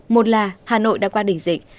một là hà nội đã qua đỉnh dịch